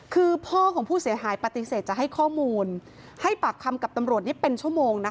คือพ่อของผู้เสียหายปฏิเสธจะให้ข้อมูลให้ปากคำกับตำรวจนี้เป็นชั่วโมงนะคะ